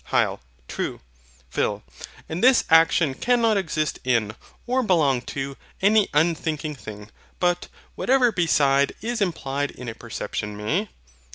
HYL. True. PHIL. And this action cannot exist in, or belong to, any unthinking thing; but, whatever beside is implied in a perception may?